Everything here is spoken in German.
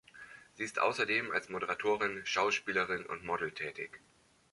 Sie ist außerdem als Moderatorin, Schauspielerin und Model tätig.